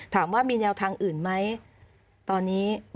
ถามว่ามีแนวทางอื่นไหมตอนนี้ยังไม่มี